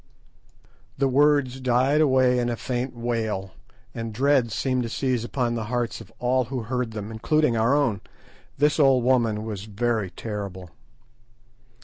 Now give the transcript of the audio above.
The words died away in a faint wail, and dread seemed to seize upon the hearts of all who heard them, including our own. This old woman was very terrible.